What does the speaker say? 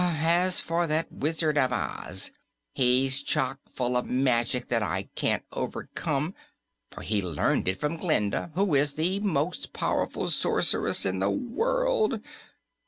As for that Wizard of Oz, he's chock full of magic that I can't overcome, for he learned it from Glinda, who is the most powerful sorceress in the world.